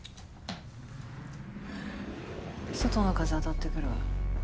外の風当たってくるわ。